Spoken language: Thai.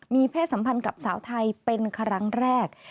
มีเพศสัมพันธ์กับสาวไทยเป็นครั้งแรก